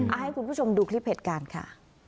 เอาให้คุณผู้ชมดูคลิปเหตุการณ์ค่ะ